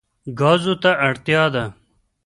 ګازو ته اړتیا ده.